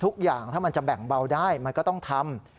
ทุกอย่างถ้ามันจะแบ่งเบาได้มันก็ต้องทำ